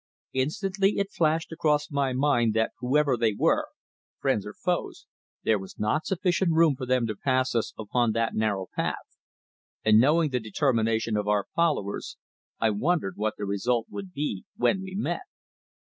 Instantly it flashed across my mind that whoever they were, friends or foes, there was not sufficient room for them to pass us upon that narrow path, and knowing the determination of our followers I wondered what the result would be when we met.